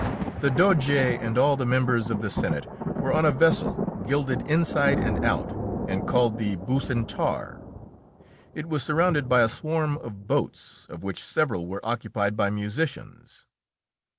The Doge and all the members of the senate were on a vessel gilded inside and out and called the Bucentaur; it was surrounded by a swarm of boats, of which several were occupied by musicians.